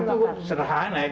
makassar itu sederhana ya